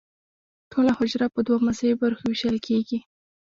ټوله حجره په دوه مساوي برخو ویشل کیږي.